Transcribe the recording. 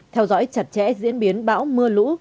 theo dõi chặt chẽ diễn biến bão mưa lũ